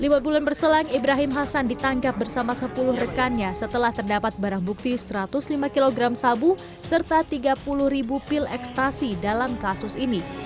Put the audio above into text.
lima bulan berselang ibrahim hasan ditangkap bersama sepuluh rekannya setelah terdapat barang bukti satu ratus lima kg sabu serta tiga puluh ribu pil ekstasi dalam kasus ini